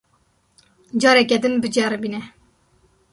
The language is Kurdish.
Careke din biceribîne.